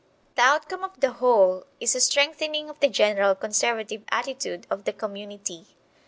The outcome of the whole is a strengthening of the general conservative attitude of the community.